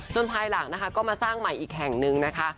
ภายหลังนะคะก็มาสร้างใหม่อีกแห่งนึงนะคะ